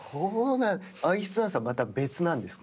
アイスダンスはまた別なんですか。